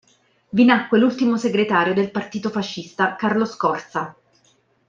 Vi nacque l'ultimo segretario del Partito Fascista, Carlo Scorza.